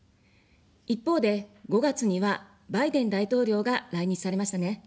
一方で、５月にはバイデン大統領が来日されましたね。